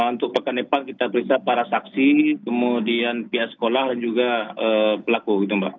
untuk pekan depan kita periksa para saksi kemudian pihak sekolah dan juga pelaku